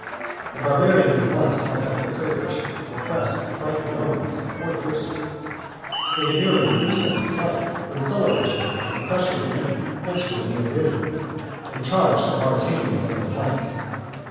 The barbarians at once plucked up their courage, and pressed the frightened Romans more fiercely. They had nearly reduced them to flight, when Sulla returned from crushing the enemy against whom he had ridden, and charged the Mauritanians on their flank.